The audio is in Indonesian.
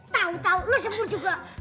tau tau lu sempur juga